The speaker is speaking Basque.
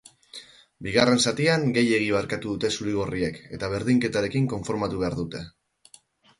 Bigarren zatian, gehiegi barkatu dute zuri-gorriek eta berdinketarekin konformatu behar dute.